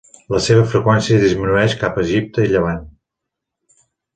La seva freqüència disminueix cap a Egipte i Llevant.